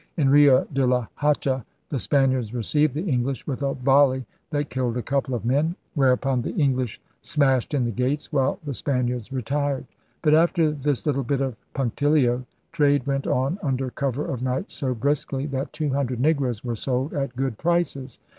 In Rio de la Hacha the Spaniards received the English with a volley that killed a couple of men, where upon the English smashed in the gates, while the Spaniards retired. But, after this little bit of punctilio, trade went on under cover of night so briskly that two hundred negroes were sold at good prices.